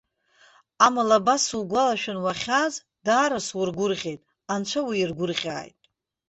Амала абас сугәалашәан уахьааз даара сургәырӷьеит, анцәа уиргәырӷьааит!